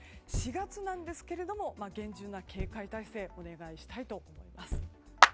４月なんですが厳重な警戒態勢をお願いしたいと思います。